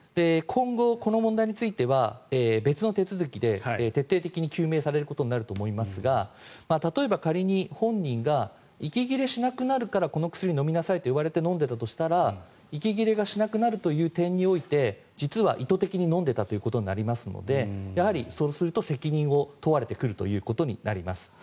今後、この問題については別の手続きで徹底的に究明されることになると思いますが例えば仮に本人が息切れしなくなるからこの薬飲みなさいと言われて飲んでいたとしたら息切れがしなくなるという点において実は意図的に飲んでいたということになりますのでやはりそうすると責任を問われるということになります。